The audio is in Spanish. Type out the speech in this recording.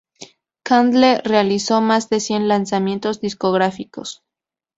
Candle realizó más de cien lanzamientos discográficos.